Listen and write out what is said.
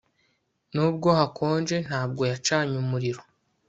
Nubwo hakonje ntabwo yacanye umuriro